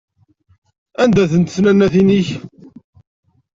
Anda-tent tnannatin-ik?